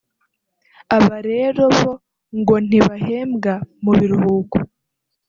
Aba rero bo ngo ntibahembwa mu biruhuko